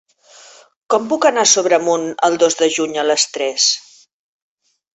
Com puc anar a Sobremunt el dos de juny a les tres?